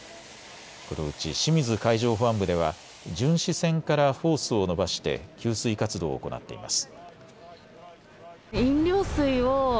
このうち清水海上保安部では巡視船からホースを伸ばして給水活動を行っています。